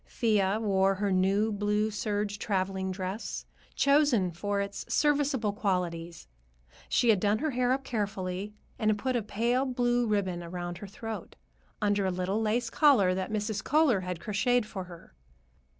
Thea wore her new blue serge traveling dress, chosen for its serviceable qualities. She had done her hair up carefully, and had put a pale blue ribbon around her throat, under a little lace collar that Mrs. Kohler had crocheted for her.